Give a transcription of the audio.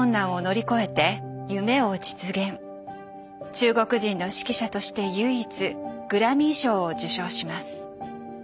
中国人の指揮者として唯一グラミー賞を受賞します。